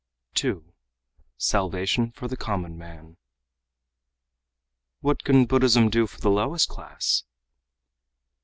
2. Salvation for the Common Man "What can Buddhism do for the lowest class?"